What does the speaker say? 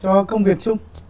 cho công việc xung